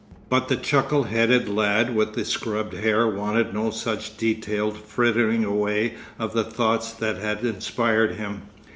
But the chuckle headed lad with the scrub hair wanted no such detailed frittering away of the thoughts that had inspired him.